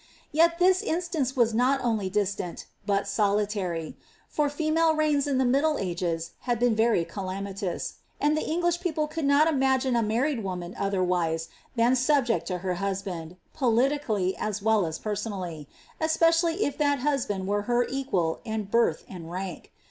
Tet this instance was not only distant, but solitary ; for female reigns in the middle ages had been very calamitous, and the English people could not imagine a married woman, otherwise, than subject to her husband, politically as well as personally; especially if that husband were her equal in birth and rank.